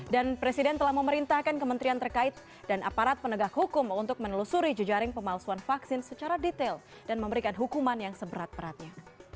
dan presiden telah memerintahkan kementerian terkait dan aparat penegak hukum untuk menelusuri jejaring pemalsuan vaksin secara detail dan memberikan hukuman yang seberat beratnya